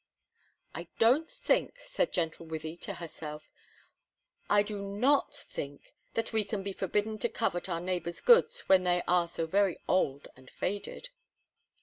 "I don't think," said gentle Wythie to herself, "I do not think that we can be forbidden to covet our neighbor's goods when they are so very old and faded."